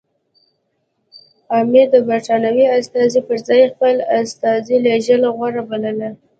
امیر د برټانوي استازي پر ځای خپل استازی لېږل غوره وبلل.